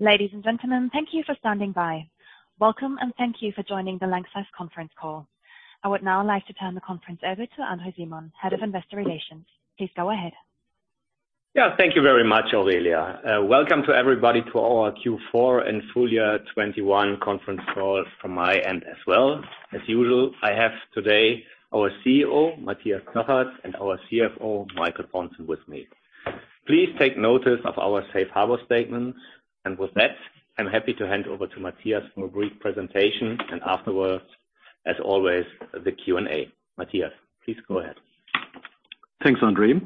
Ladies and gentlemen, thank you for standing by. Welcome, and thank you for joining the LANXESS conference call. I would now like to turn the conference over to André Simon, Head of Investor Relations. Please go ahead. Yeah, thank you very much, Aurelia. Welcome to everybody to our Q4 and full year 2021 conference call from my end as well. As usual, I have today our CEO, Matthias Zachert, and our CFO, Michael Pontzen, with me. Please take notice of our safe harbor statement. With that, I'm happy to hand over to Matthias for a brief presentation, and afterwards, as always, the Q&A. Matthias, please go ahead. Thanks, André.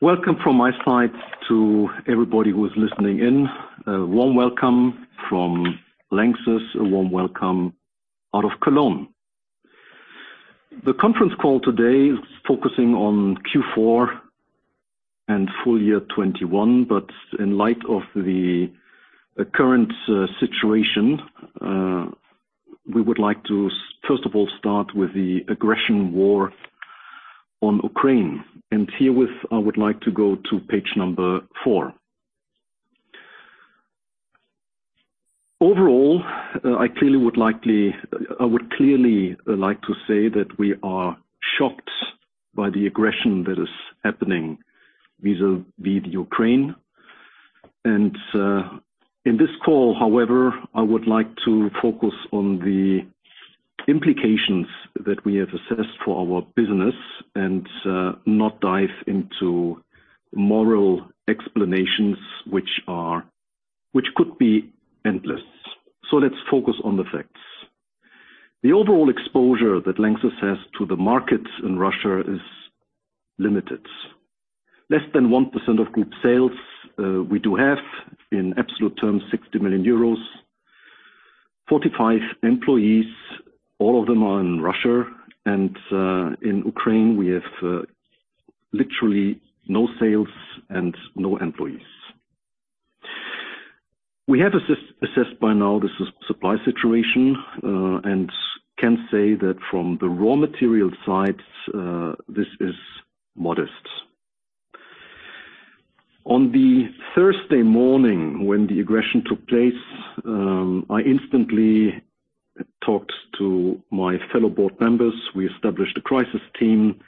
Welcome from my side to everybody who is listening in. A warm welcome from LANXESS, a warm welcome out of Cologne. The conference call today is focusing on Q4 and full year 2021, but in light of the current situation, we would like to first of all start with the aggression war on Ukraine. Herewith, I would like to go to page number four. Overall, I clearly would like to say that we are shocked by the aggression that is happening vis-à-vis the Ukraine. In this call, however, I would like to focus on the implications that we have assessed for our business and not dive into moral explanations, which could be endless. Let's focus on the facts. The overall exposure that LANXESS has to the market in Russia is limited. Less than 1% of group sales, we do have, in absolute terms 60 million euros, 45 employees, all of them are in Russia. In Ukraine, we have literally no sales and no employees. We have assessed by now the supply situation and can say that from the raw material side this is modest. On the Thursday morning when the aggression took place, I instantly talked to my fellow board members. We established a crisis team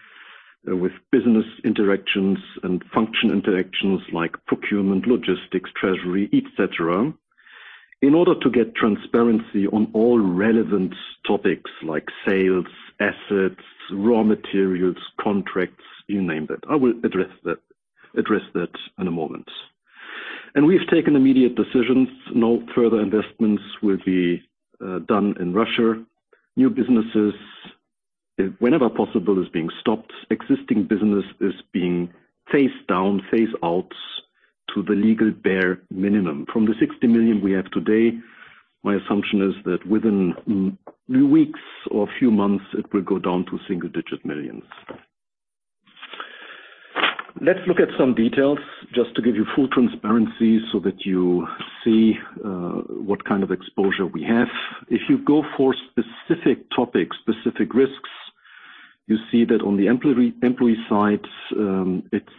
with business interactions and function interactions like procurement, logistics, treasury, et cetera, in order to get transparency on all relevant topics like sales, assets, raw materials, contracts, you name it. I will address that in a moment. We've taken immediate decisions. No further investments will be done in Russia. New businesses, whenever possible is being stopped. Existing business is being phased down, phased out to the legal bare minimum. From the 60 million we have today, my assumption is that within weeks or a few months, it will go down to single-digit millions. Let's look at some details just to give you full transparency so that you see what kind of exposure we have. If you go for specific topics, specific risks, you see that on the employee side, it's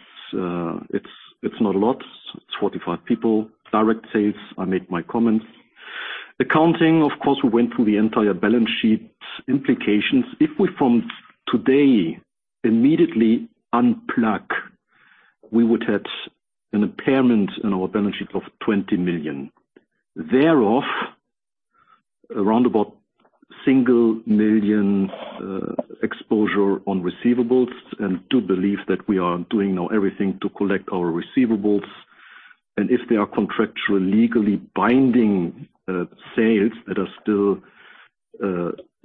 not a lot. It's 45 people. Direct sales, I made my comments. Accounting, of course, we went through the entire balance sheet implications. If we from today immediately unplug, we would have an impairment in our balance sheet of 20 million. Thereof, around about one million exposure on receivables, and I do believe that we are doing now everything to collect our receivables. If they are contractually, legally binding sales that are still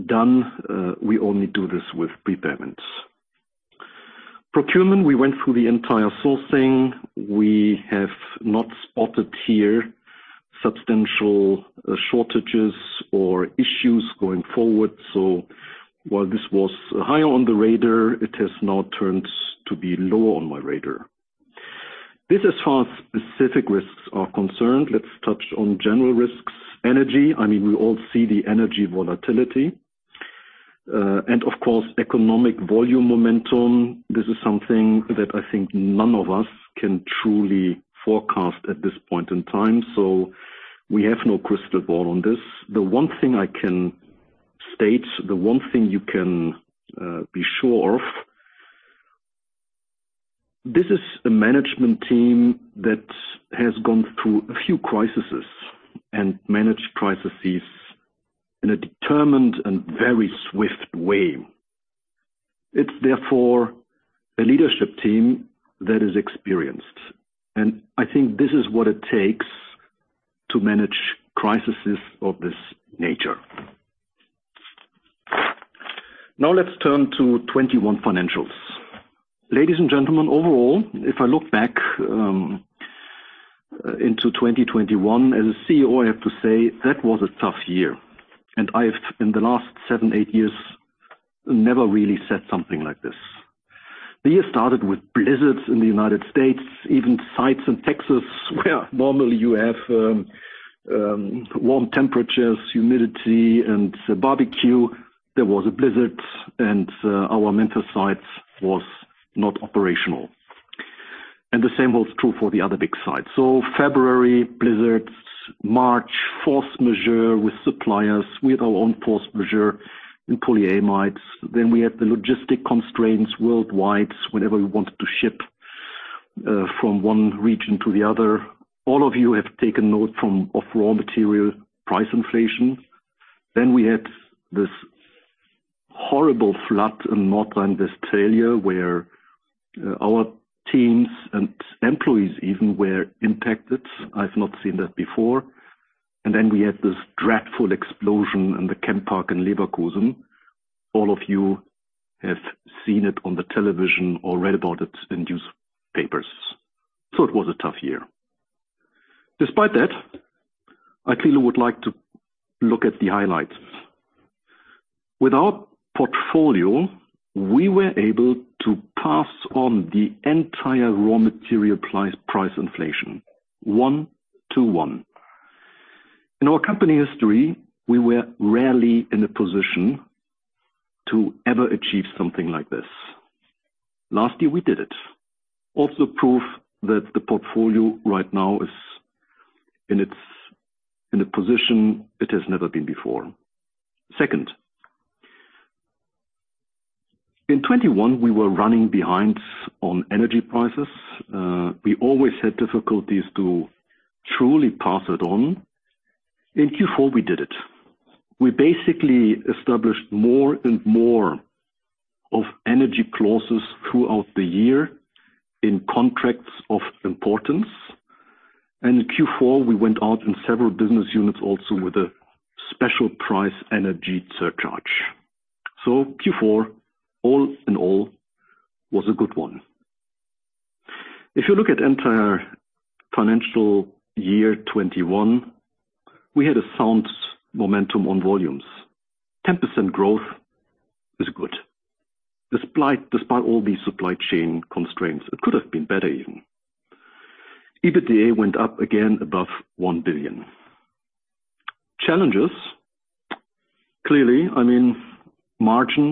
done, we only do this with prepayments. Procurement, we went through the entire sourcing. We have not spotted here substantial shortages or issues going forward. While this was higher on the radar, it has now turned to be lower on my radar. This is how specific risks are concerned. Let's touch on general risks. Energy, I mean, we all see the energy volatility and, of course, economic volume momentum. This is something that I think none of us can truly forecast at this point in time, so we have no crystal ball on this. The one thing I can state, the one thing you can be sure of, this is a management team that has gone through a few crises and managed crises in a determined and very swift way. It's therefore a leadership team that is experienced, and I think this is what it takes to manage crises of this nature. Now let's turn to 2021 financials. Ladies and gentlemen, overall, if I look back into 2021, as a CEO, I have to say that was a tough year. I've, in the last seven, eight years, never really said something like this. The year started with blizzards in the United States, even sites in Texas where normally you have warm temperatures, humidity and barbecue. There was a blizzard and our monomer site was not operational. The same was true for the other big sites. February blizzards. March, force majeure with suppliers. We had our own force majeure in polyamides. We had the logistics constraints worldwide whenever we wanted to ship from one region to the other. All of you have taken note of raw material price inflation. We had this horrible flood in North Rhine-Westphalia, where our teams and employees even were impacted. I've not seen that before. We had this dreadful explosion in the ChemPark in Leverkusen. All of you have seen it on the television or read about it in newspapers. It was a tough year. Despite that, I clearly would like to look at the highlights. Without portfolio, we were able to pass on the entire raw material price inflation one-to-one. In our company history, we were rarely in a position to ever achieve something like this. Last year we did it. Also proof that the portfolio right now is in a position it has never been before. Second, in 2021, we were running behind on energy prices. We always had difficulties to truly pass it on. In Q4 we did it. We basically established more and more of energy clauses throughout the year in contracts of importance. In Q4 we went out in several business units also with a special price energy surcharge. Q4 all in all was a good one. If you look at entire financial year 2021, we had a sound momentum on volumes. 10% growth is good. Despite all these supply chain constraints, it could have been better even. EBITDA went up again above 1 billion. Challenges, clearly, I mean, margin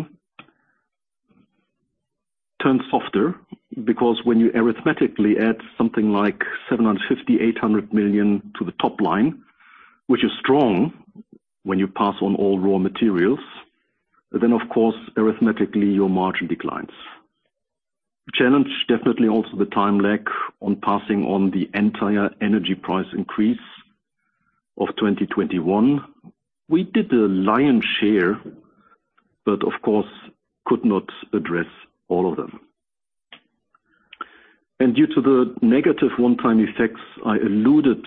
turned softer because when you arithmetically add something like 750 million-800 million to the top line, which is strong when you pass on all raw materials, then of course, arithmetically your margin declines. Challenge, definitely also the time lag on passing on the entire energy price increase of 2021. We did the lion's share, but of course could not address all of them. Due to the negative one-time effects I alluded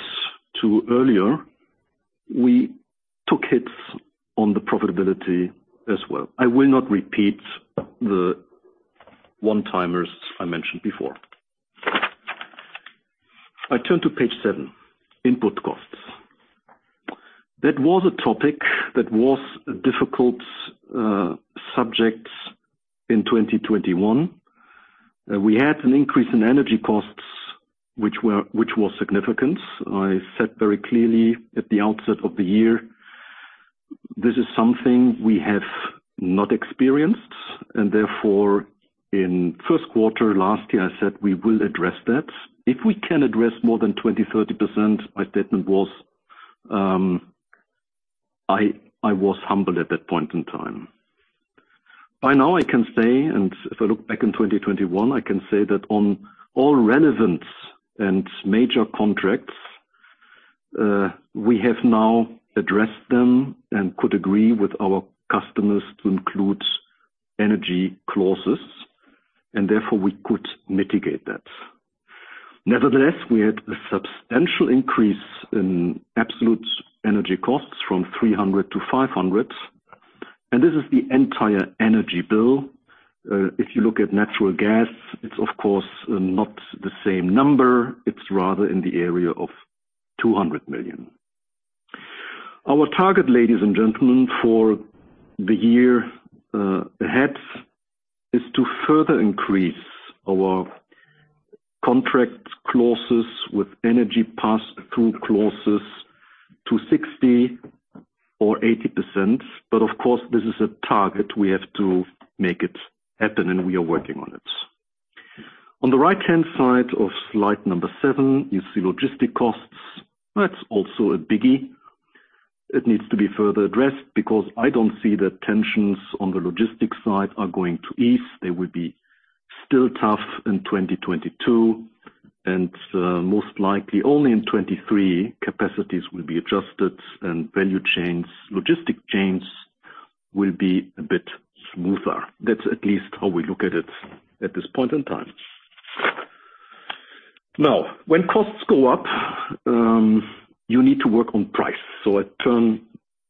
to earlier, we took hits on the profitability as well. I will not repeat the one-timers I mentioned before. I turn to page seven. Input costs. That was a topic that was a difficult subject in 2021. We had an increase in energy costs, which was significant. I said very clearly at the outset of the year, this is something we have not experienced and therefore in first quarter last year, I said we will address that. If we can address more than 20, 30 percent my statement was, I was humbled at that point in time. By now I can say, and if I look back in 2021, I can say that on all relevant and major contracts, we have now addressed them and could agree with our customers to include energy clauses and therefore we could mitigate that. Nevertheless, we had a substantial increase in absolute energy costs from 300 million-500 million, and this is the entire energy bill. If you look at natural gas, it's of course not the same number. It's rather in the area of 200 million. Our target, ladies and gentlemen, for the year ahead is to further increase our contract clauses with energy pass-through clauses to 60% or 80%. But of course, this is a target. We have to make it happen, and we are working on it. On the right-hand side of slide number 7, you see logistics costs. That's also a biggie. It needs to be further addressed because I don't see that tensions on the logistics side are going to ease. They will be still tough in 2022, and most likely only in 2023 capacities will be adjusted and value chains, logistic chains will be a bit smoother. That's at least how we look at it at this point in time. Now, when costs go up, you need to work on price. I turn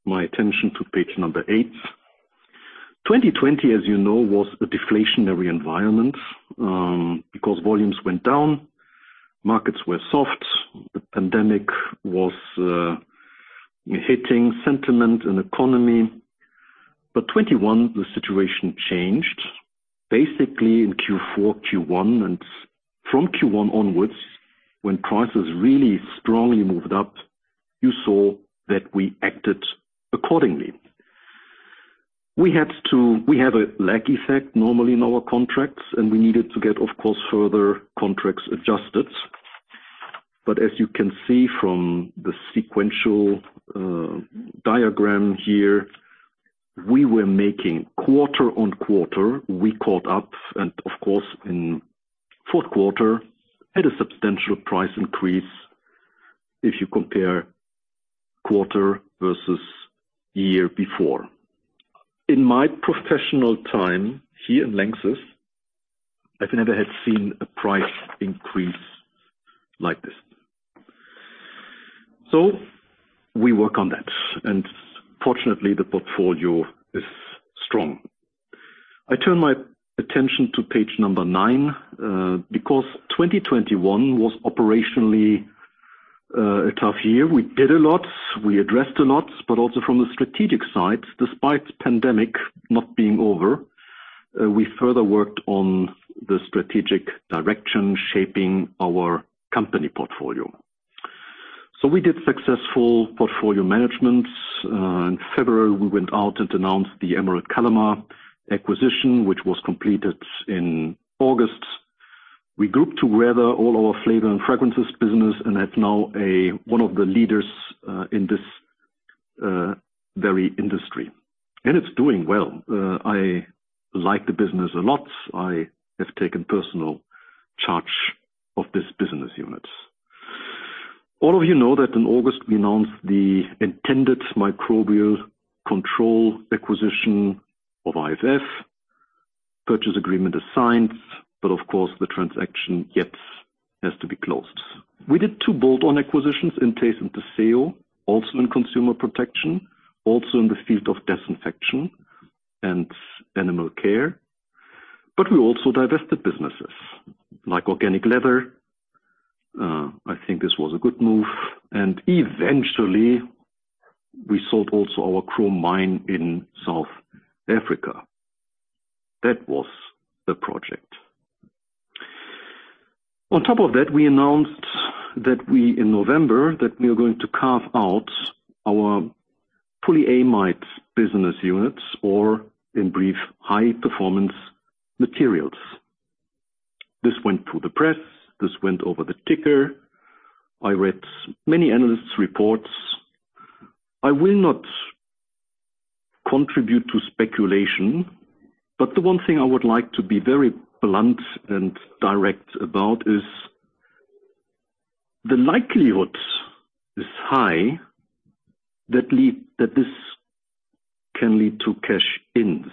my attention to page eight. 2020, as you know, was a deflationary environment, because volumes went down, markets were soft, the pandemic was hitting sentiment and economy. 2021, the situation changed basically in Q4, Q1. From Q1 onwards, when prices really strongly moved up, you saw that we acted accordingly. We have a lag effect normally in our contracts, and we needed to get, of course, further contracts adjusted. As you can see from the sequential diagram here, we were making quarter-on-quarter, we caught up and of course in fourth quarter had a substantial price increase if you compare quarter versus year before. In my professional time here in LANXESS, I've never had seen a price increase like this. We work on that and fortunately the portfolio is strong. I turn my attention to page nine because 2021 was operationally a tough year. We did a lot, we addressed a lot, but also from the strategic side, despite pandemic not being over, we further worked on the strategic direction shaping our company portfolio. We did successful portfolio management. In February we went out and announced the Emerald Kalama acquisition, which was completed in August. We grouped together all our Flavors & Fragrances business and have now a, one of the leaders in this very industry, and it's doing well. I like the business a lot. I have taken personal charge of this business unit. All of you know that in August we announced the intended IFF Microbial Control acquisition. Of course the transaction yet has to be closed. We did two bolt-on acquisitions in taste and in the sale, also in Consumer Protection, also in the field of disinfection and animal care. We also divested businesses like organic leather chemicals. I think this was a good move. Eventually we sold also our chrome mine in South Africa. That was the project. On top of that, we announced in November that we are going to carve out our polyamide business units or, in brief, High Performance Materials. This went to the press, this went over the ticker. I read many analysts' reports. I will not contribute to speculation, but the one thing I would like to be very blunt and direct about is the likelihood is high that this can lead to cash ins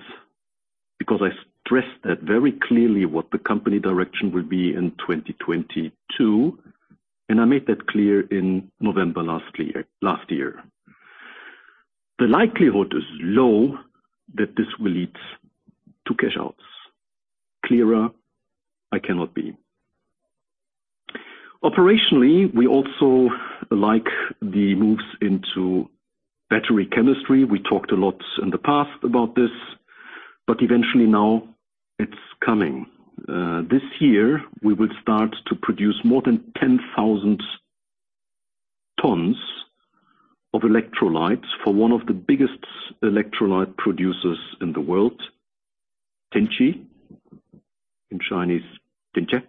because I stressed that very clearly what the company direction will be in 2022, and I made that clear in November last year. The likelihood is low that this will lead to cash outs. Clearer I cannot be. Operationally, we also like the moves into battery chemistry. We talked a lot in the past about this, but eventually now it's coming. This year we will start to produce more than 10,000 tons of electrolytes for one of the biggest electrolyte producers in the world, Tinci. In Chinese, Tinci.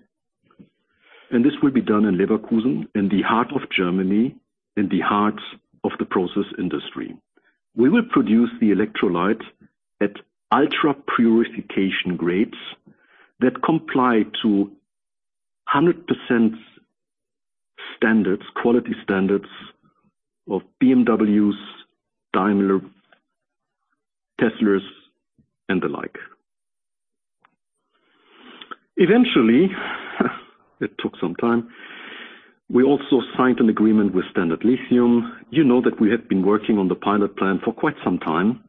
This will be done in Leverkusen, in the heart of Germany, in the heart of the process industry. We will produce the electrolyte at ultra-purification grades that comply to 100% standards, quality standards of BMW's, Daimler, Tesla's and the like. Eventually, it took some time, we also signed an agreement with Standard Lithium. You know that we had been working on the pilot plant for quite some time.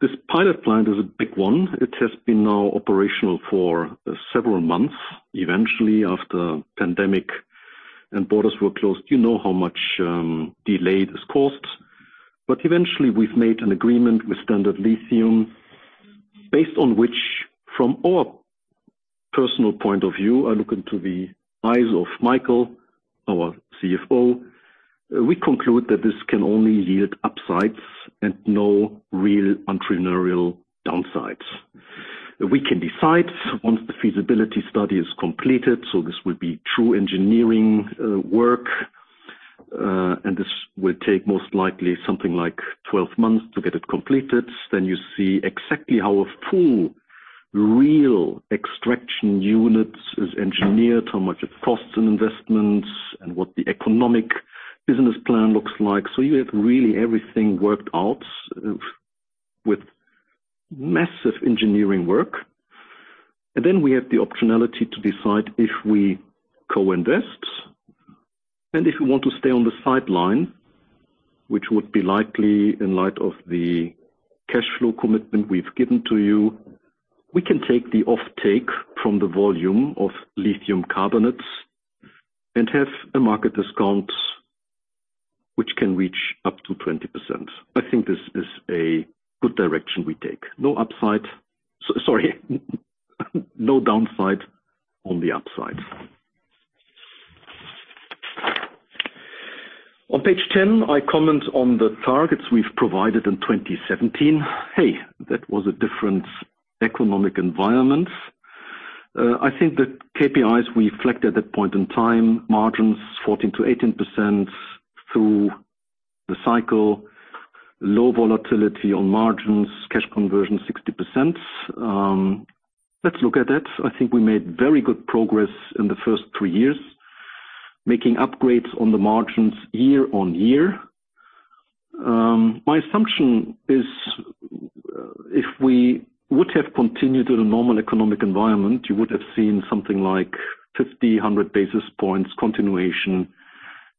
This pilot plant is a big one. It has now been operational for several months. Eventually after pandemic and borders were closed, you know how much delay this caused. Eventually we've made an agreement with Standard Lithium based on which, from our personal point of view, I look into the eyes of Michael, our CFO, we conclude that this can only yield upsides and no real entrepreneurial downsides. We can decide once the feasibility study is completed. This will be true engineering work. This will take most likely something like 12 months to get it completed. You see exactly how a full real extraction unit is engineered, how much it costs in investments, and what the economic business plan looks like. You have really everything worked out with massive engineering work. Then we have the optionality to decide if we co-invest and if we want to stay on the sideline, which would be likely in light of the cash flow commitment we've given to you. We can take the offtake from the volume of lithium carbonate and have a market discount which can reach up to 20%. I think this is a good direction we take. No upside. Sorry, no downside on the upside. On page 10, I comment on the targets we've provided in 2017. Hey, that was a different economic environment. I think the KPIs we reflect at that point in time, margins 14%-18% through the cycle, low volatility on margins, cash conversion 60%. Let's look at that. I think we made very good progress in the first three years, making upgrades on the margins year-on-year. My assumption is if we would have continued in a normal economic environment, you would have seen something like 50, 100 basis points continuation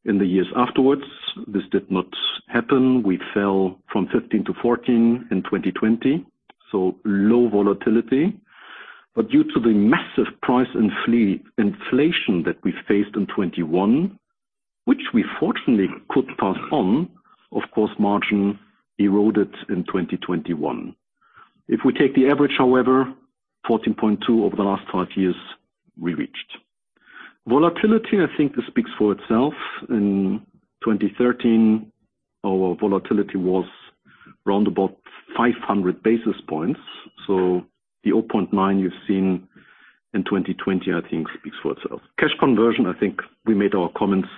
in the years afterwards. This did not happen. We fell from 15 to 14 in 2020, so low volatility. Due to the massive price inflation that we faced in 2021, which we fortunately could pass on, of course, margin eroded in 2021. If we take the average, however, 14.2 over the last five years, we reached. Volatility, I think this speaks for itself. In 2013, our volatility was around about 500 basis points. The 0.9 you're seeing in 2020, I think speaks for itself. Cash conversion, I think we made our comments,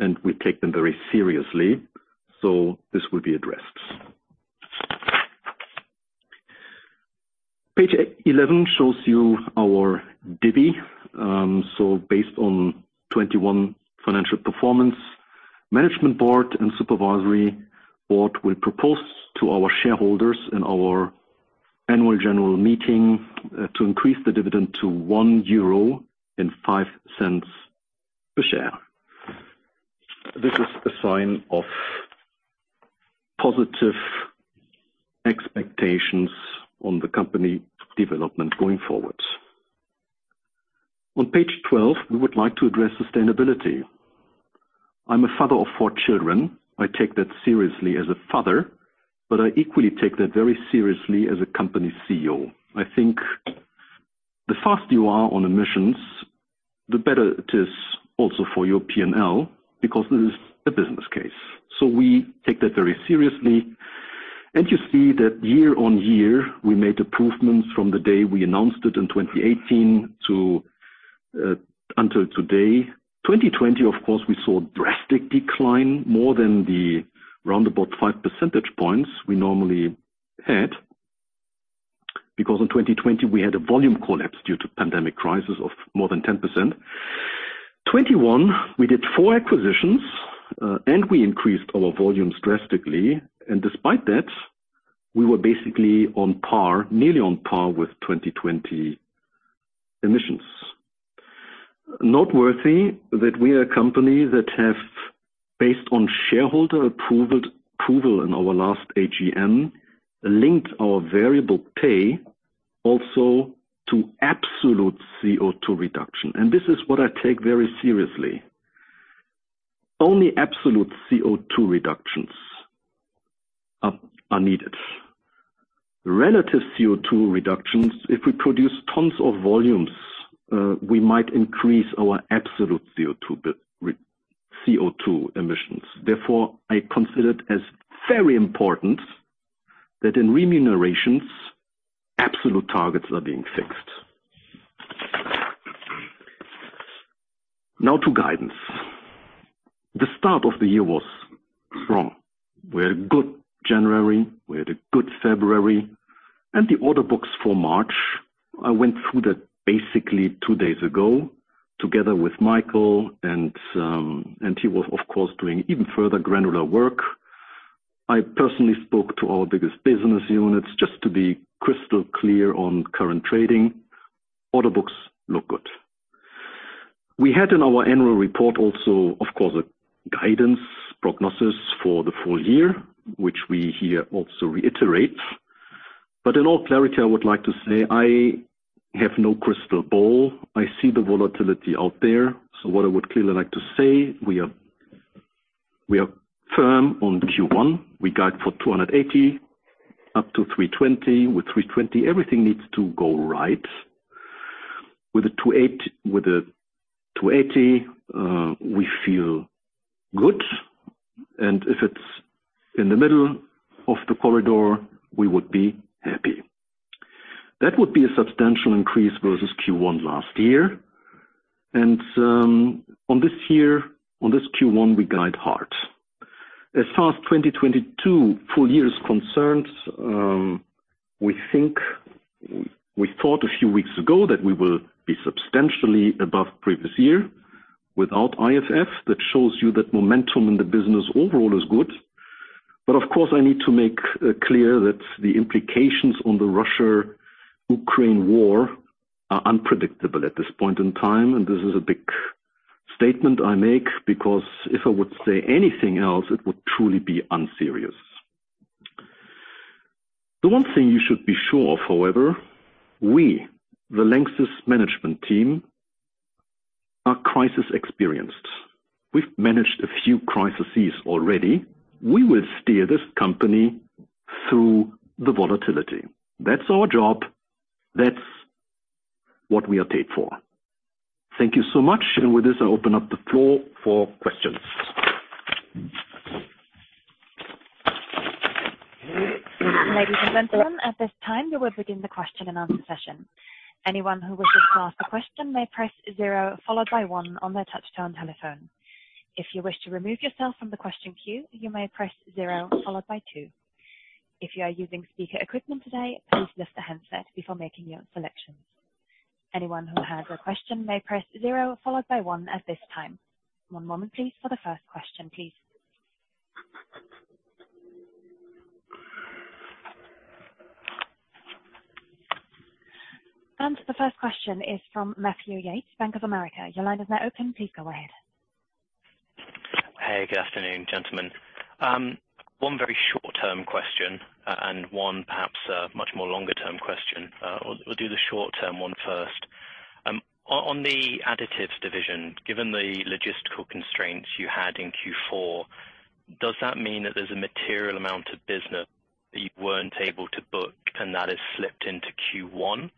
and we take them very seriously, so this will be addressed. Page eleven shows you our dividend. Based on 2021 financial performance, management board and supervisory board will propose to our shareholders in our annual general meeting to increase the dividend to 1.05 euro per share. This is a sign of positive expectations on the company development going forward. On page 12, we would like to address sustainability. I'm a father of four children. I take that seriously as a father, but I equally take that very seriously as a company CEO. I think the faster you are on emissions, the better it is also for your P&L, because it is a business case. We take that very seriously. You see that year on year, we made improvements from the day we announced it in 2018 to until today. 2020, of course, we saw a drastic decline, more than the roundabout 5 percentage points we normally had, because in 2020 we had a volume collapse due to pandemic crisis of more than 10%. 2021, we did four acquisitions, and we increased our volumes drastically. Despite that, we were basically on par, nearly on par with 2020 emissions. Noteworthy that we are a company that have, based on shareholder approval in our last AGM, linked our variable pay also to absolute CO₂ reduction. This is what I take very seriously. Only absolute CO₂ reductions are needed. Relative CO₂ reductions, if we produce tons of volumes, we might increase our absolute CO₂ emissions. Therefore, I consider it as very important that in remunerations, absolute targets are being fixed. Now to guidance. The start of the year was strong. We had a good January, we had a good February, and the order books for March, I went through that basically two days ago together with Michael and he was, of course, doing even further granular work. I personally spoke to our biggest business units just to be crystal clear on current trading. Order books look good. We had in our annual report also, of course, a guidance prognosis for the full year, which we here also reiterate. In all clarity, I would like to say I have no crystal ball. I see the volatility out there. What I would clearly like to say, we are firm on Q1. We guide for 280-320. With 320, everything needs to go right. With a 280, we feel good. And if it's in the middle of the corridor, we would be happy. That would be a substantial increase versus Q1 last year. On this year, on this Q1, we guide hard. As far as 2022 full year is concerned, we thought a few weeks ago that we will be substantially above previous year without IFF. That shows you that momentum in the business overall is good. Of course, I need to make clear that the implications on the Russia-Ukraine war are unpredictable at this point in time. This is a big statement I make because if I would say anything else, it would truly be unserious. The one thing you should be sure of, however, we, the LANXESS management team, are crisis experienced. We've managed a few crises already. We will steer this company through the volatility. That's our job. That's what we are paid for. Thank you so much. With this, I open up the floor for questions. Ladies and gentlemen, at this time, we will begin the question and answer session. Anyone who wishes to ask a question may press zero followed by one on their touchtone telephone. If you wish to remove yourself from the question queue, you may press zero followed by two. If you are using speaker equipment today, please lift the handset before making your selections. Anyone who has a question may press zero followed by one at this time. One moment, please, for the first question, please. The first question is from Matthew Yates, Bank of America. Your line is now open. Please go ahead. Hey, good afternoon, gentlemen. One very short-term question and one perhaps a much more longer-term question. We'll do the short-term one first. On the additives division, given the logistical constraints you had in Q4, does that mean that there's a material amount of business that you weren't able to book and that has slipped into Q1?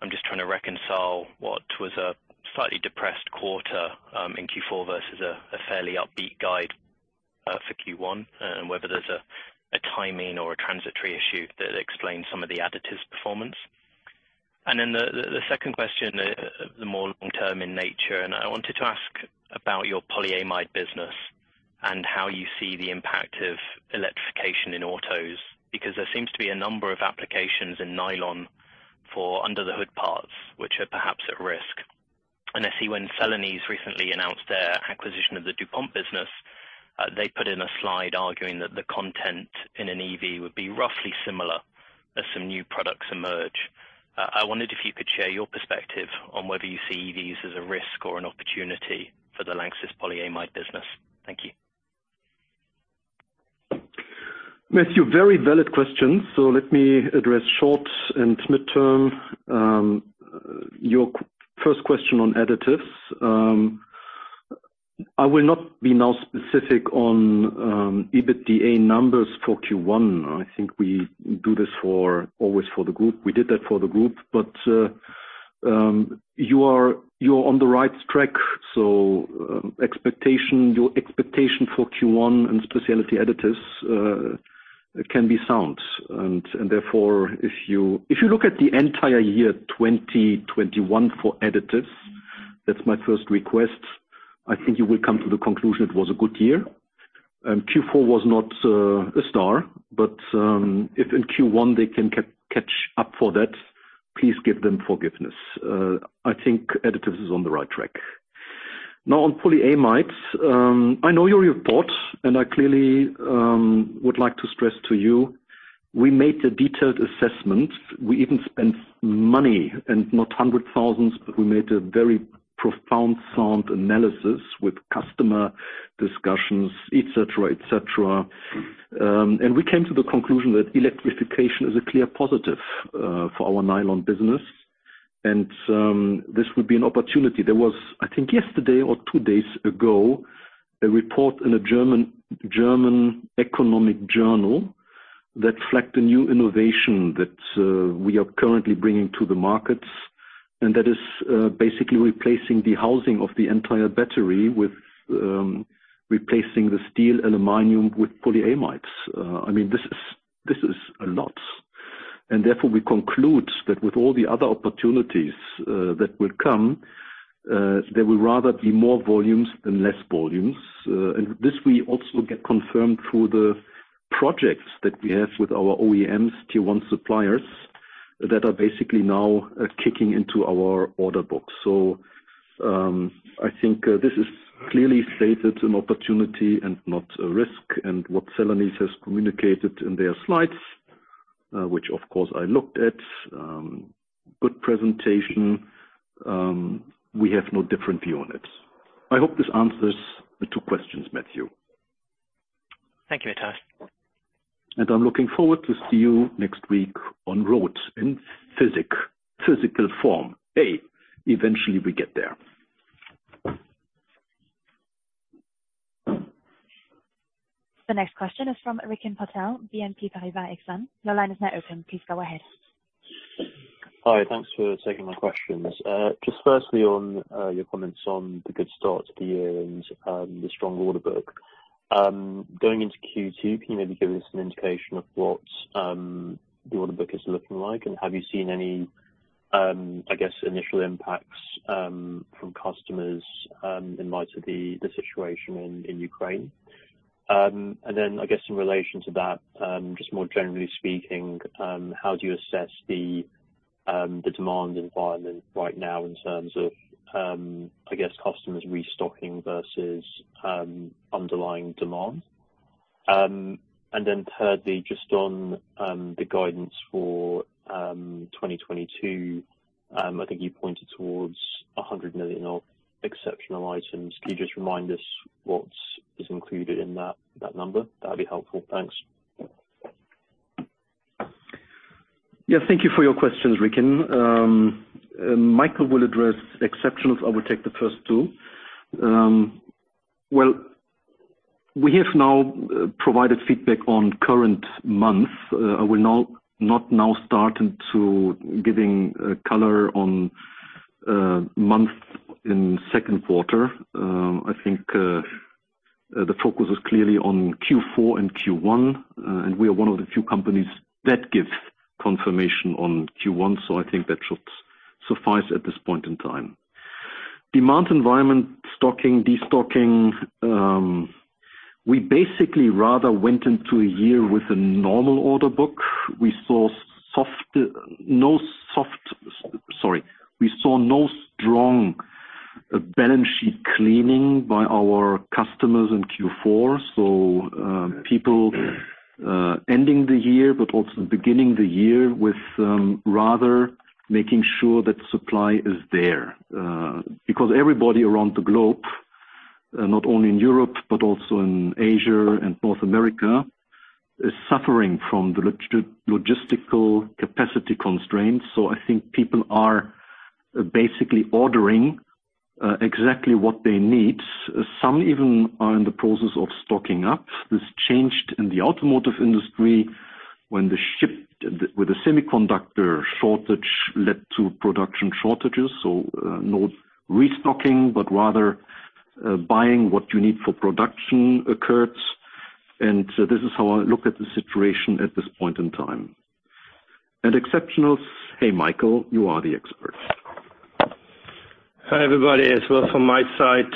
I'm just trying to reconcile what was a slightly depressed quarter in Q4 versus a fairly upbeat guide for Q1 and whether there's a timing or a transitory issue that explains some of the additives performance. Then the second question, the more long-term in nature, and I wanted to ask about your polyamide business and how you see the impact of electrification in autos. Because there seems to be a number of applications in nylon for under the hood parts, which are perhaps at risk. I see when Celanese recently announced their acquisition of the DuPont business, they put in a slide arguing that the content in an EV would be roughly similar as some new products emerge. I wondered if you could share your perspective on whether you see EVs as a risk or an opportunity for the LANXESS polyamide business. Thank you. Matthew, very valid questions. Let me address short and midterm. Your first question on additives. I will not be now specific on EBITDA numbers for Q1. I think we do this always for the group. We did that for the group. You're on the right track. Your expectation for Q1 and Specialty Additives can be sound. Therefore, if you look at the entire year, 2021 for additives, that's my first request, I think you will come to the conclusion it was a good year. Q4 was not a star. If in Q1 they can catch up for that, please give them forgiveness. I think additives is on the right track. Now on polyamides, I know your report, and I clearly would like to stress to you, we made a detailed assessment. We even spent money, not hundreds of thousands, but we made a very profound, sound analysis with customer discussions, et cetera, et cetera. We came to the conclusion that electrification is a clear positive for our nylon business. This would be an opportunity. There was, I think yesterday or two days ago, a report in a German economic journal that flagged a new innovation that we are currently bringing to the markets. That is basically replacing the housing of the entire battery with replacing the steel aluminum with polyamides. I mean, this is a lot. Therefore, we conclude that with all the other opportunities, that will come, there will rather be more volumes than less volumes. This we also get confirmed through the projects that we have with our OEMs, tier one suppliers, that are basically now, kicking into our order book. I think, this is clearly stated an opportunity and not a risk. What Celanese has communicated in their slides, which of course I looked at, good presentation, we have no different view on it. I hope this answers the two questions, Matthew. Thank you, Matthias. I'm looking forward to see you next week in physical form. Eventually we get there. The next question is from Rikin Patel, BNP Paribas Exane. Your line is now open. Please go ahead. Hi. Thanks for taking my questions. Just firstly on your comments on the good start to the year and the strong order book. Going into Q2, can you maybe give us an indication of what the order book is looking like? Have you seen any I guess initial impacts from customers in light of the situation in Ukraine? Then I guess in relation to that just more generally speaking how do you assess the demand environment right now in terms of I guess customers restocking versus underlying demand? Then thirdly just on the guidance for 2022 I think you pointed towards 100 million exceptional items. Can you just remind us what is included in that number? That'd be helpful. Thanks. Yeah, thank you for your questions, Rick. Michael will address exceptionals. I will take the first two. Well, we have now provided feedback on current month. We're now starting to giving color on month in second quarter. I think the focus is clearly on Q4 and Q1, and we are one of the few companies that give confirmation on Q1, so I think that should suffice at this point in time. Demand environment stocking, destocking, we basically rather went into a year with a normal order book. We saw soft. Sorry. We saw no strong balance sheet cleaning by our customers in Q4, so people ending the year but also beginning the year with rather making sure that supply is there because everybody around the globe, not only in Europe but also in Asia and North America, is suffering from the logistical capacity constraints. I think people are basically ordering exactly what they need. Some even are in the process of stocking up. This changed in the automotive industry when the chip shortage led to production shortages, so no restocking, but rather buying what you need for production occurs. This is how I look at the situation at this point in time. Exceptionals, hey, Michael, you are the expert. Hi, everybody, as well from my side.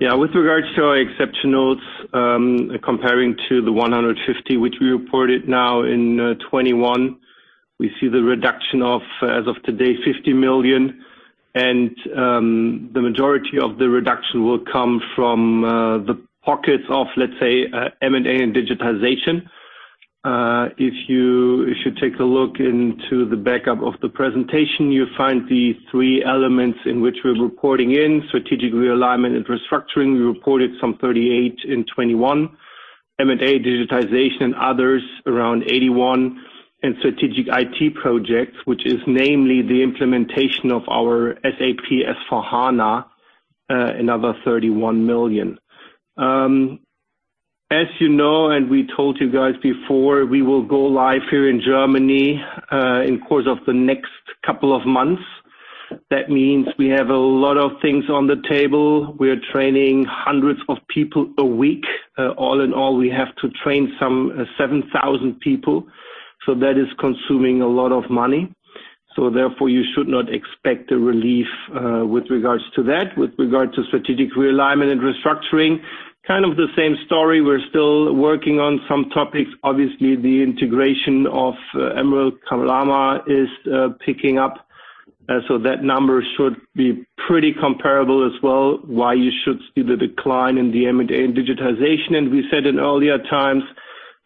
Yeah, with regards to our exceptionals, comparing to the 150 million which we reported now in 2021, we see the reduction of, as of today, 50 million. The majority of the reduction will come from the pockets of, let's say, M&A and digitization. If you take a look into the backup of the presentation, you find these three elements in which we're reporting in. Strategic realignment and restructuring, we reported some 38 million in 2021. M&A, digitization, and others around 81 million in strategic IT projects, which is namely the implementation of our SAP S/4HANA, another 31 million. As you know, and we told you guys before, we will go live here in Germany in course of the next couple of months. That means we have a lot of things on the table. We are training hundreds of people a week. All in all, we have to train some 7,000 people. That is consuming a lot of money. Therefore, you should not expect a relief with regards to that. With regard to strategic realignment and restructuring, kind of the same story. We're still working on some topics. Obviously, the integration of Emerald Kalama is picking up, so that number should be pretty comparable as well. While you should see the decline in the M&A and digitization, and we said in earlier times,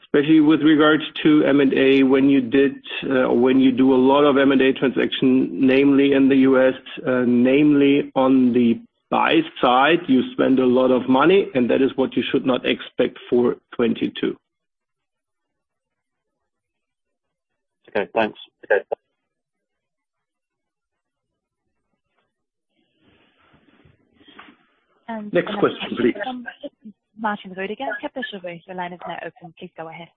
especially with regards to M&A, when you do a lot of M&A transactions, namely in the U.S., namely on the buy side, you spend a lot of money, and that is what you should not expect for 2022. Okay. Thanks. Next question, please. Martin Rödiger, your line is now open. Please go ahead.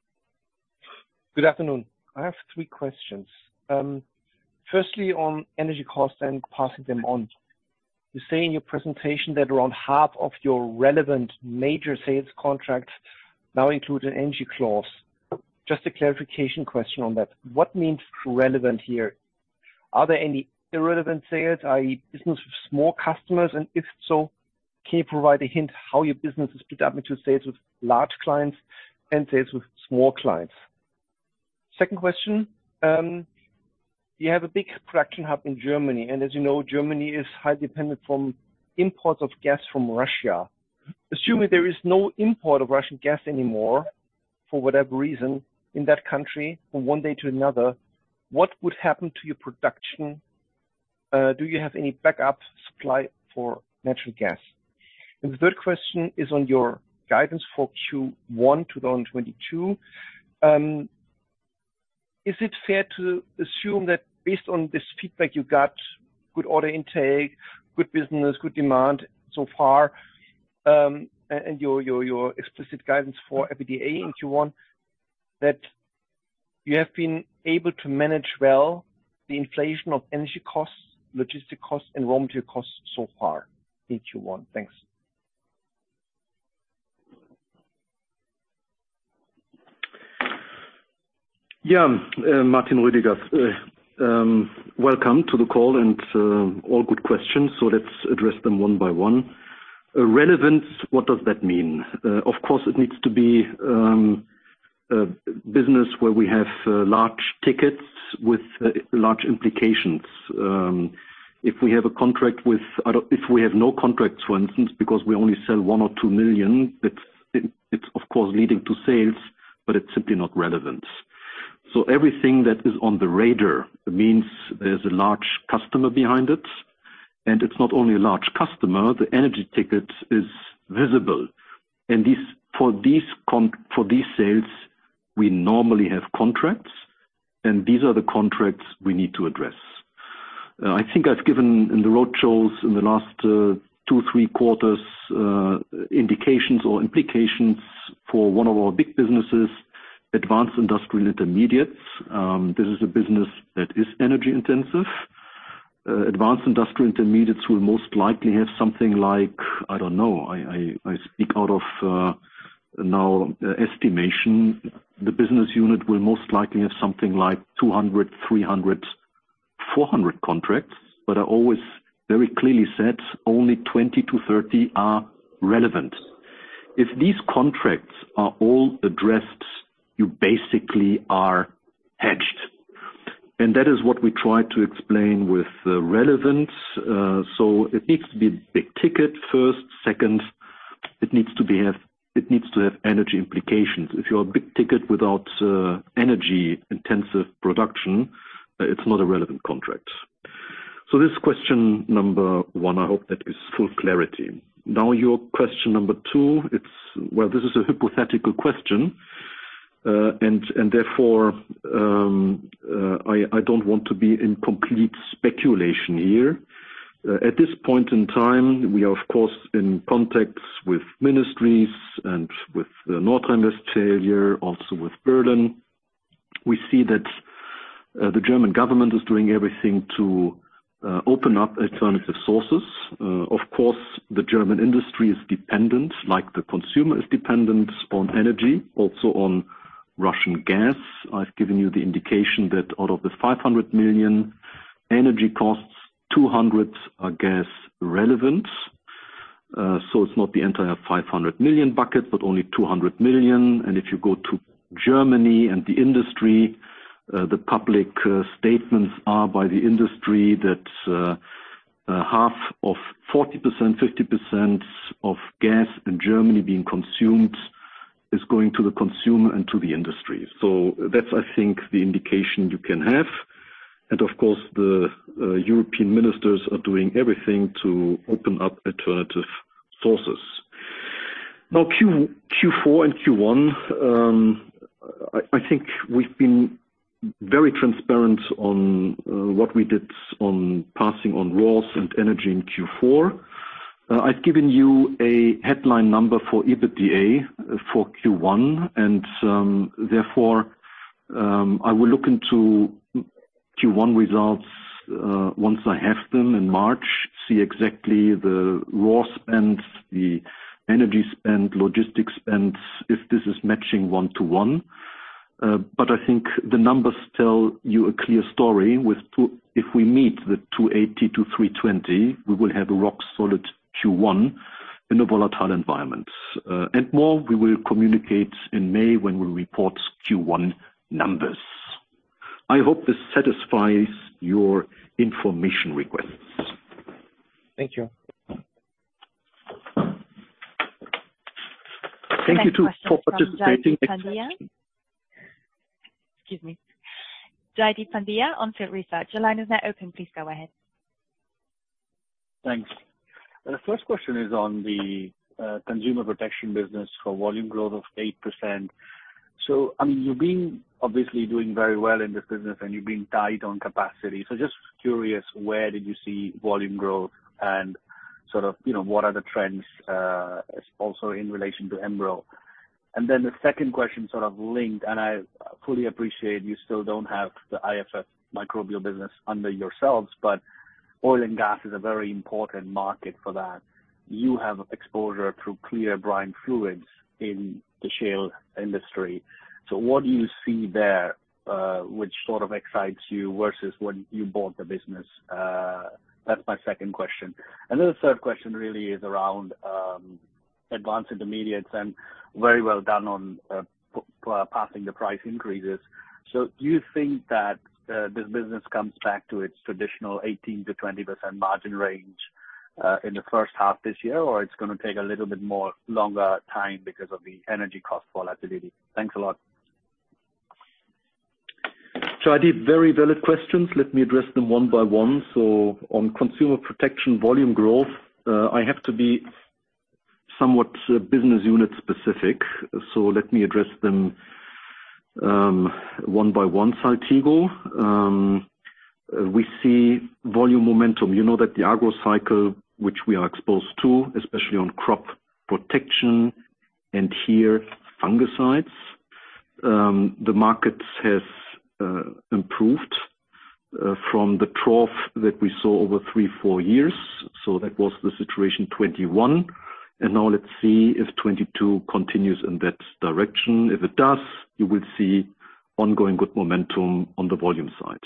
Good afternoon. I have three questions. Firstly, on energy costs and passing them on. You say in your presentation that around half of your relevant major sales contracts now include an energy clause. Just a clarification question on that. What means relevant here? Are there any irrelevant sales, i.e. business with small customers? And if so, can you provide a hint how your business is split up into sales with large clients and sales with small clients? Second question, you have a big production hub in Germany, and as you know, Germany is highly dependent from imports of gas from Russia. Assuming there is no import of Russian gas anymore for whatever reason in that country from one day to another, what would happen to your production? Do you have any backup supply for natural gas? The third question is on your guidance for Q1 2022. Is it fair to assume that based on this feedback you got, good order intake, good business, good demand so far, and your explicit guidance for EBITDA in Q1, that you have been able to manage well the inflation of energy costs, logistic costs and raw material costs so far in Q1? Thanks. Yeah. Martin Rödiger, welcome to the call and all good questions. Let's address them one by one. Relevance, what does that mean? Of course, it needs to be a business where we have large tickets with large implications. If we have no contracts for instance, because we only sell 1 or 2 million, it's of course leading to sales, but it's simply not relevant. Everything that is on the radar means there's a large customer behind it. It's not only a large customer, the energy ticket is visible. For these sales, we normally have contracts, and these are the contracts we need to address. I think I've given in the road shows in the last two, three quarters indications or implications for one of our big businesses, Advanced Industrial Intermediates. This is a business that is energy-intensive. Advanced Industrial Intermediates will most likely have something like, I don't know, I speak out of now estimation. The business unit will most likely have something like 200, 300, 400 contracts. But I always very clearly said only 20 to 30 are relevant. If these contracts are all addressed, you basically are hedged. That is what we try to explain with the relevance. It needs to be big ticket first. Second, it needs to have energy implications. If you're a big ticket without energy-intensive production, it's not a relevant contract. This question number one, I hope that is full clarity. Now, your question number two. Well, this is a hypothetical question. And therefore, I don't want to be in complete speculation here. At this point in time, we are of course in contacts with ministries and with North Rhine-Westphalia, also with Berlin. We see that the German government is doing everything to open up alternative sources. Of course, the German industry is dependent, like the consumer is dependent on energy, also on Russian gas. I've given you the indication that out of the 500 million energy costs, 200 million are gas relevant. So it's not the entire 500 million bucket, but only 200 million. If you go to Germany and the industry, the public statements are by the industry that half of 40%, 50% of gas in Germany being consumed is going to the consumer and to the industry. That's, I think, the indication you can have. Of course, the European ministers are doing everything to open up alternative sources. Now, Q4 and Q1, I think we've been very transparent on what we did on passing on raws and energy in Q4. I've given you a headline number for EBITDA for Q1 and, therefore, I will look into Q1 results once I have them in March. See exactly the raw spend, the energy spend, logistics spends, if this is matching one-to-one. I think the numbers tell you a clear story. If we meet 280-320, we will have a rock solid Q1 in a volatile environment. More we will communicate in May when we report Q1 numbers. I hope this satisfies your information requests. Thank you. Thank you too for participating. The next question from Jaideep Pandya. Excuse me. Jaideep Pandya, On Field Research. Your line is now open. Please go ahead. Thanks. The first question is on the Consumer Protection business for volume growth of 8%. I mean, you've been obviously doing very well in this business and you've been tight on capacity. Just curious, where did you see volume growth and sort of, you know, what are the trends also in relation to Enpro? Then the second question sort of linked, and I fully appreciate you still don't have the IFF Microbial Control business under yourselves, but oil and gas is a very important market for that. You have exposure through clear brine fluids in the shale industry. What do you see there, which sort of excites you versus when you bought the business? That's my second question. Then the third question really is around Advanced Industrial Intermediates and very well done on passing the price increases. Do you think that this business comes back to its traditional 18%-20% margin range in the first half this year, or it's gonna take a little bit more longer time because of the energy cost volatility? Thanks a lot. Jaideep, very valid questions. Let me address them one by one. On consumer protection volume growth, I have to be somewhat business unit specific, so let me address them one by one. Saltigo, we see volume momentum. You know that the agro cycle, which we are exposed to, especially on crop protection and here fungicides, the market has improved from the trough that we saw over three, four years. That was the situation 2021. Now let's see if 2022 continues in that direction. If it does, you will see ongoing good momentum on the volume side.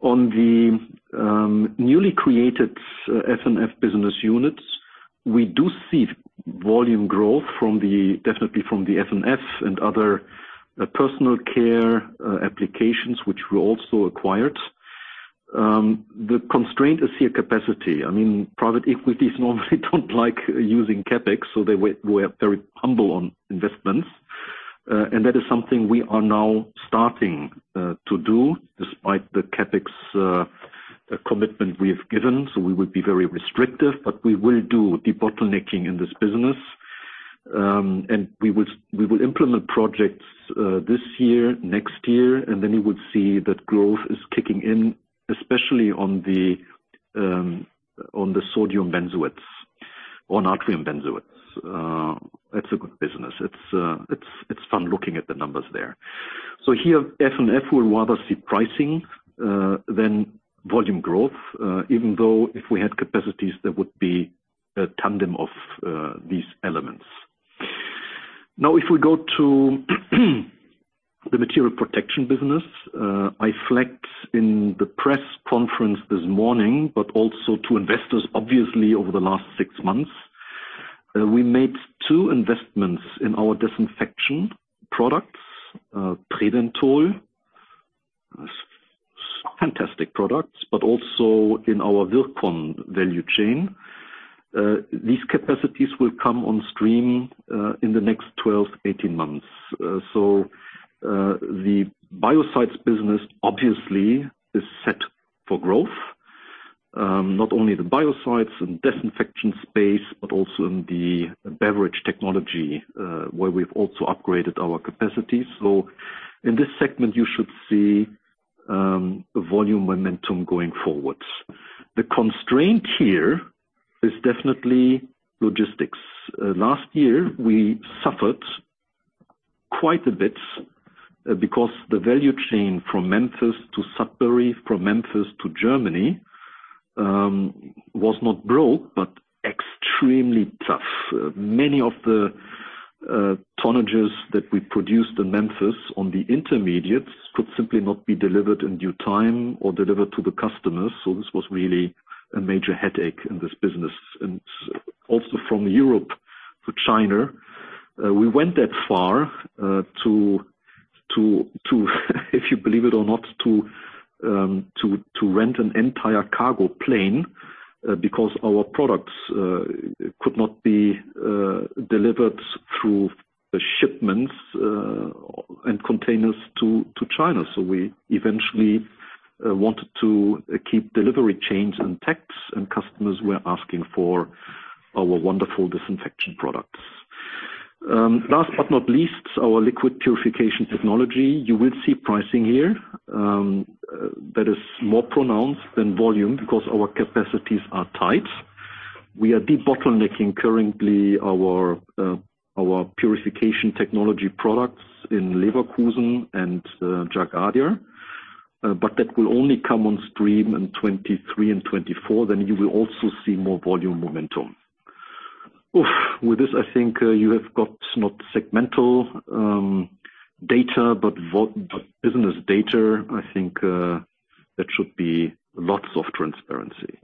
On the newly created F&F business units, we do see volume growth definitely from the F&F and other personal care applications which we also acquired. The constraint is here capacity. I mean, private equities normally don't like using CapEx, so they were very humble on investments. That is something we are now starting to do despite the CapEx commitment we have given. We would be very restrictive, but we will do debottlenecking in this business. We will implement projects this year, next year, and then you would see that growth is kicking in, especially on the sodium benzoates or natrium benzoates. That's a good business. It's fun looking at the numbers there. Here, F&F, we'll rather see pricing than volume growth, even though if we had capacities, there would be a tandem of these elements. Now, if we go to the material protection business, I flexed in the press conference this morning, but also to investors, obviously, over the last six months, we made two investments in our disinfection products, Trident Tool, fantastic products, but also in our Virkon value chain. These capacities will come on stream in the next 12-18 months. The biocides business obviously is set for growth, not only the biocides and disinfection space, but also in the beverage technology, where we've also upgraded our capacity. In this segment, you should see volume momentum going forward. The constraint here is definitely logistics. Last year, we suffered quite a bit because the value chain from Memphis to Sudbury, from Memphis to Germany, was not broken, but extremely tough. Many of the tonnages that we produced in Memphis on the intermediates could simply not be delivered in due time or delivered to the customers. This was really a major headache in this business. Also from Europe to China, we went that far, to if you believe it or not, to rent an entire cargo plane, because our products could not be delivered through the shipments and containers to China. We eventually wanted to keep delivery chains intact, and customers were asking for our wonderful disinfection products. Last but not least, our liquid purification technology. You will see pricing here that is more pronounced than volume because our capacities are tight. We are debottlenecking currently our purification technology products in Leverkusen and Jarrie. That will only come on stream in 2023 and 2024, then you will also see more volume momentum. With this, I think, you have got not segmental data, but business data. I think, that should be lots of transparency.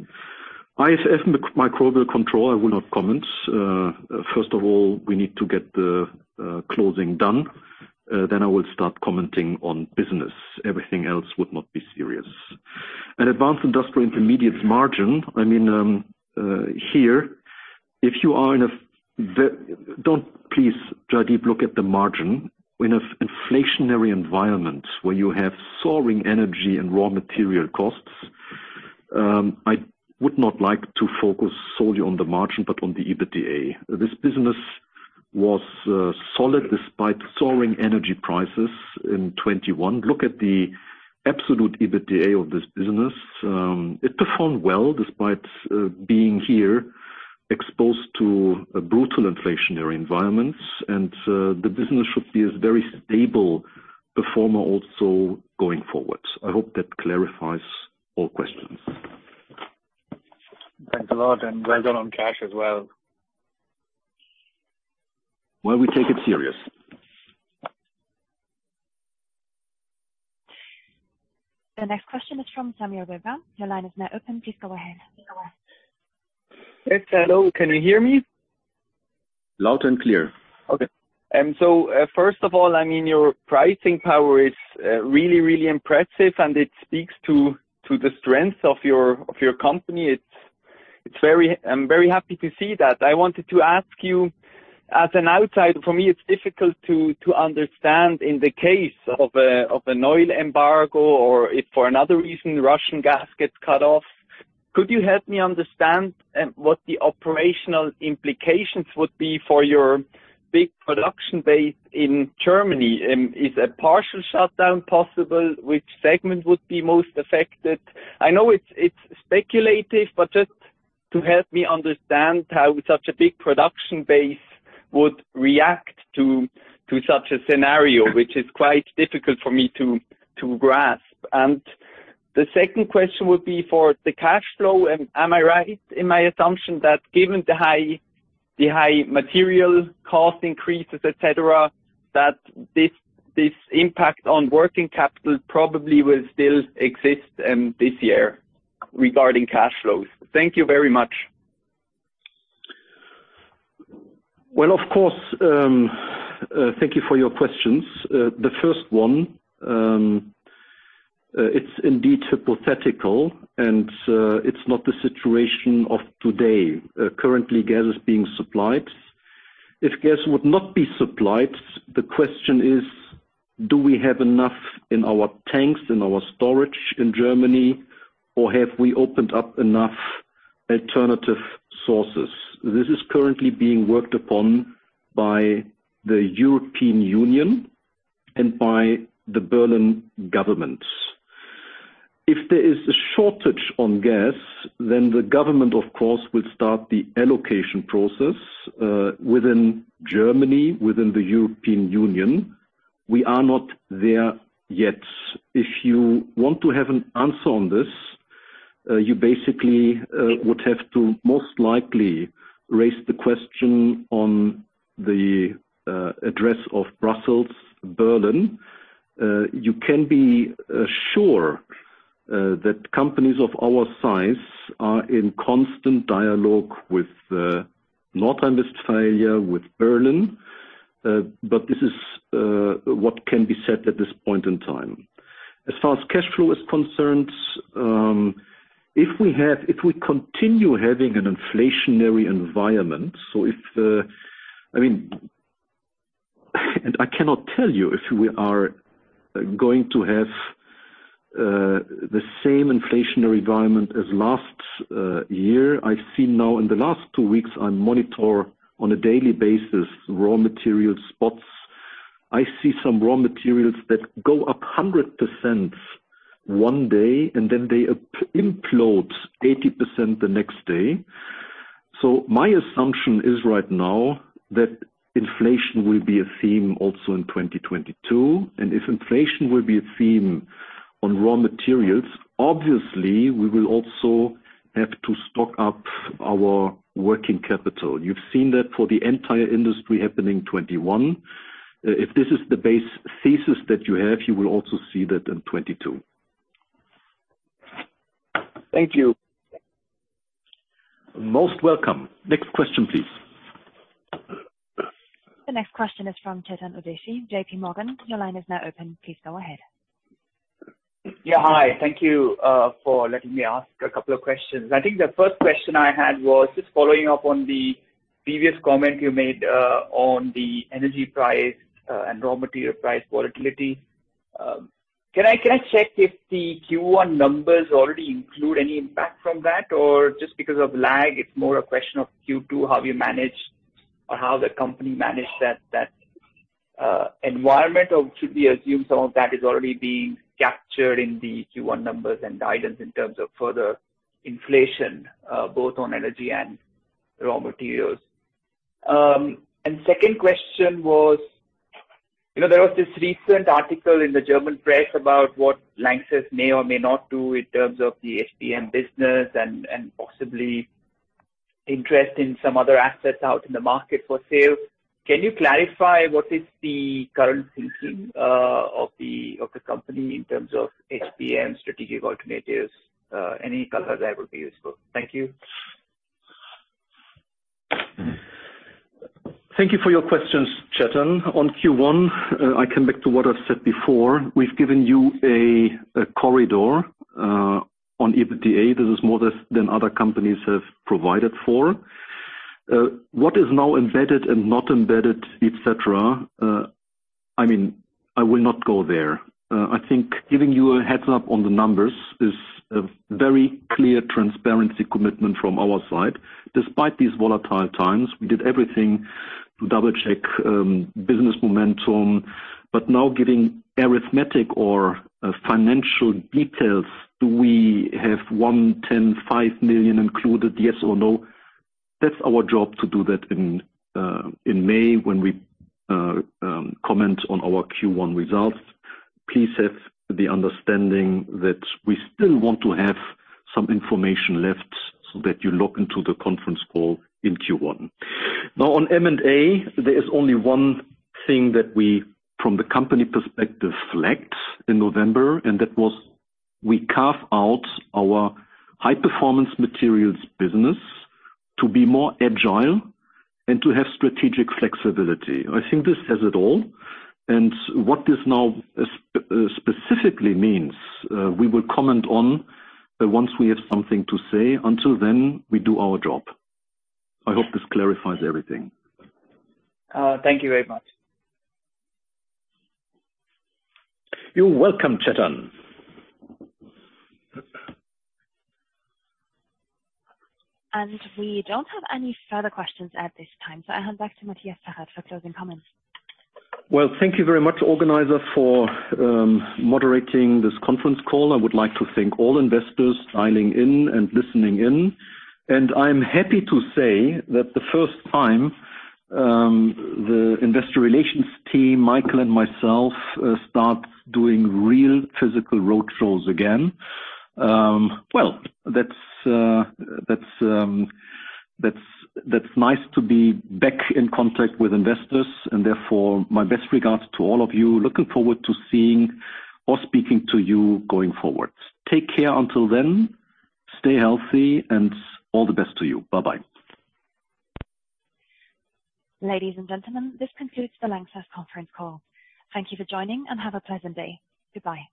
IFF Microbial Control, I will not comment. First of all, we need to get the closing done, then I will start commenting on business. Everything else would not be serious. Advanced Industrial Intermediates margin, I mean, here, Don't, please, Jaideep, look at the margin. In an inflationary environment where you have soaring energy and raw material costs, I would not like to focus solely on the margin, but on the EBITDA. This business was solid despite soaring energy prices in 2021. Look at the absolute EBITDA of this business. It performed well despite being here exposed to a brutal inflationary environment. The business should be a very stable performer also going forward. I hope that clarifies all questions. Thanks a lot. Well done on cash as well. Well, we take it serious. The next question is from Samuel Weber. Your line is now open. Please go ahead. Yes. Hello. Can you hear me? Loud and clear. Okay. First of all, I mean, your pricing power is really impressive, and it speaks to the strength of your company. It's very. I'm very happy to see that. I wanted to ask you, as an outsider, for me, it's difficult to understand in the case of an oil embargo or if for another reason, Russian gas gets cut off. Could you help me understand what the operational implications would be for your big production base in Germany? Is a partial shutdown possible? Which segment would be most affected? I know it's speculative, but just to help me understand how such a big production base would react to such a scenario, which is quite difficult for me to grasp. The second question would be for the cash flow. Am I right in my assumption that given the high material cost increases, et cetera, that this impact on working capital probably will still exist this year regarding cash flows? Thank you very much. Well, of course, thank you for your questions. The first one, it's indeed hypothetical, and, it's not the situation of today. Currently gas is being supplied. If gas would not be supplied, the question is, do we have enough in our tanks, in our storage in Germany, or have we opened up enough alternative sources? This is currently being worked upon by the European Union and by the Berlin government. If there is a shortage on gas, then the government, of course, will start the allocation process, within Germany, within the European Union. We are not there yet. If you want to have an answer on this, you basically, would have to most likely raise the question on the, address of Brussels, Berlin. You can be sure that companies of our size are in constant dialogue with North Rhine-Westphalia, with Berlin. This is what can be said at this point in time. As far as cash flow is concerned, if we continue having an inflationary environment. I mean, I cannot tell you if we are going to have the same inflationary environment as last year. I've seen now in the last two weeks. I monitor on a daily basis raw material spots. I see some raw materials that go up 100% one day and then they implode 80% the next day. My assumption is right now that inflation will be a theme also in 2022. If inflation will be a theme on raw materials, obviously we will also have to stock up our working capital. You've seen that for the entire industry happening in 2021. If this is the base thesis that you have, you will also see that in 2022. Thank you. Most welcome. Next question, please. The next question is from Chetan Udeshi, JP Morgan. Your line is now open. Please go ahead. Yeah. Hi. Thank you for letting me ask a couple of questions. I think the first question I had was just following up on the previous comment you made on the energy price and raw material price volatility. Can I check if the Q1 numbers already include any impact from that? Or just because of lag, it's more a question of Q2, how we manage or how the company managed that environment? Or should we assume some of that is already being captured in the Q1 numbers and guidance in terms of further inflation both on energy and raw materials. Second question was, you know, there was this recent article in the German press about what LANXESS may or may not do in terms of the HPM business and possibly interest in some other assets out in the market for sale. Can you clarify what is the current thinking of the company in terms of HPM strategic alternatives? Any color there would be useful. Thank you. Thank you for your questions, Chetan. On Q1, I come back to what I've said before. We've given you a corridor on EBITDA. This is more than other companies have provided for. What is now embedded and not embedded, et cetera, I mean, I will not go there. I think giving you a heads-up on the numbers is a very clear transparency commitment from our side. Despite these volatile times, we did everything to double-check business momentum. Now giving arithmetic or financial details, do we have 1 million, 10 million, 5 million included, yes or no? That's our job to do that in May when we comment on our Q1 results. Please have the understanding that we still want to have some information left so that you look into the conference call in Q1. Now, on M&A, there is only one thing that we from the company perspective select in November, and that was we carve out our High Performance Materials business to be more agile and to have strategic flexibility. I think this says it all. What this now specifically means, we will comment on once we have something to say. Until then, we do our job. I hope this clarifies everything. Thank you very much. You're welcome, Chetan. We don't have any further questions at this time. I hand back to Matthias Zachert for closing comments. Well, thank you very much, organizer, for moderating this conference call. I would like to thank all investors dialing in and listening in. I'm happy to say that for the first time the investor relations team, Michael and myself, start doing real physical roadshows again. Well, that's nice to be back in contact with investors and therefore my best regards to all of you. Looking forward to seeing or speaking to you going forward. Take care until then. Stay healthy and all the best to you. Bye-bye. Ladies and gentlemen, this concludes the LANXESS conference call. Thank you for joining, and have a pleasant day. Goodbye.